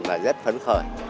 và rất phấn khởi